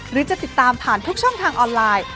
หรือจะติดตามผ่านทุกช่องทางออนไลน์